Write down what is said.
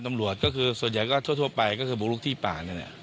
ตำรวจก็คือส่วนใหญ่ก็ทั่วไปก็คือบุกลุกที่ป่านี่แหละ